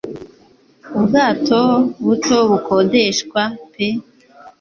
ubwato buto bukodeshwa pe